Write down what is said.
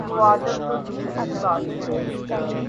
گوادر تو دور کی بات ہے